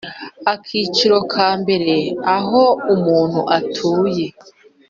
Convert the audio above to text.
Akiciro ka mbere aho umuntu atuye